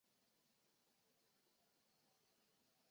答案浮现在妳眼底